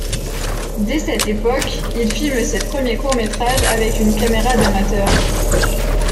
Dés cette époque, il filme ses premiers courts métrages avec une caméra d'amateur.